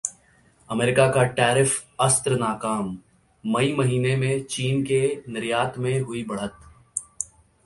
America का tariff अस्त्र नाकाम! मई महीने में चीन के निर्यात में हुई बढ़त